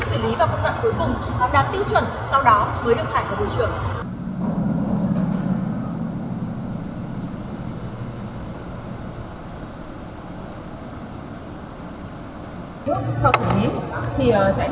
thế nhưng trên thực tế